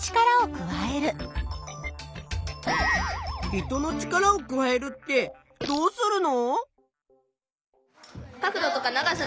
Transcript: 人の力を加えるってどうするの？